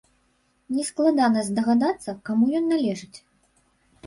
Нескладана здагадацца, каму ён належыць.